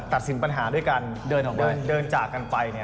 สินปัญหาด้วยการเดินจากกันไป